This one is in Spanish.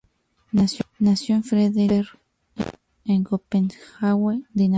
Nació en Frederiksberg, en Copenhague, Dinamarca.